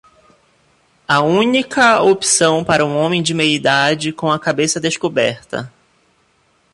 A única opção para um homem de meia-idade com a cabeça descoberta.